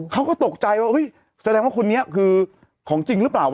เขาก็ตกใจว่าแสดงว่าคนนี้คือของจริงหรือเปล่า